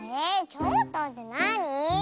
ちょっとってなに？